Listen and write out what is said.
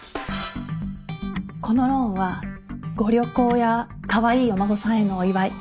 このローンはご旅行やかわいいお孫さんへのお祝い